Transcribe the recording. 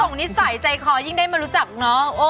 นิสัยใจคอยิ่งได้มารู้จักน้อง